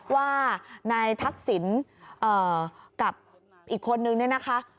ว่านายทักษิณกับอีกคนนึงเนี่ยนะคะ